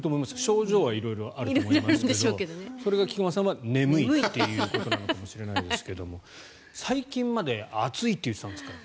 症状は色々あると思いますがそれが菊間さんは眠いということなのかもしれないですが最近まで暑いと言ってたんですから。